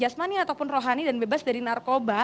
jasmani ataupun rohani dan bebas dari narkoba